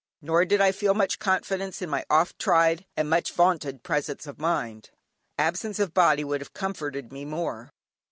Nor did I feel much confidence in my oft tried, and much vaunted presence of mind; absence of body would have comforted me more.